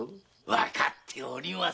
わかっております。